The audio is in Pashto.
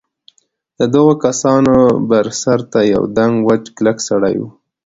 د دغو کسانو بر سر ته یوه دنګ وچ کلک سړي و.